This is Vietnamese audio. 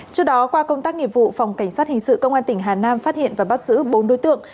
trước đó qua công tác nghiệp vụ phòng cảnh sát hình sự công an tỉnh hà nam phát hiện và bắt giữ bốn đối tượng